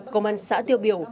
công an xã tiêu biểu